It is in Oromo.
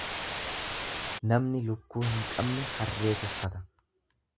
Namni lukkuu hin qabne harree tuffata.